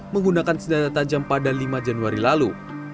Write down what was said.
menggunakan senjata tajam pada lima januari lalu